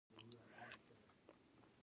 خو علمي نهادونه پلان نه لري.